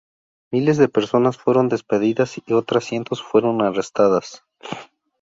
Miles de personas fueron despedidas y otras cientos fueron arrestadas.